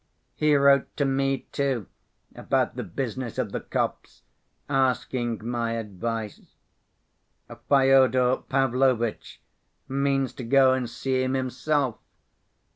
He wrote to me, too, about the business of the copse, asking my advice. Fyodor Pavlovitch means to go and see him himself.